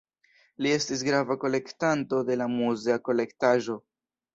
Li estis grava kolektanto de la muzea kolektaĵo.